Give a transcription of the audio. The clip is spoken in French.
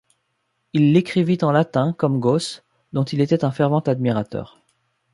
Il l'écrivit en latin, comme Gauss, dont il était un fervent admirateur.